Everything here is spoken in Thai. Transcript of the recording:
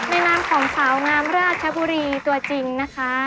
นามของสาวงามราชบุรีตัวจริงนะคะ